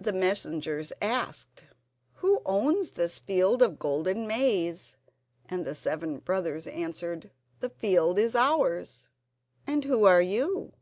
The messengers asked: "Who owns this field of golden maize?" And the seven brothers answered: "The field is ours." "And who are you?"